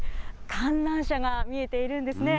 観覧車が見えているんですね。